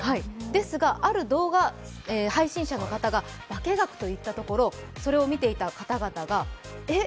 ですがある動画配信者の方が「ばけがく」と言ったところそれを見ていた方々がえっ